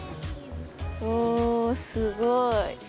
おすごい。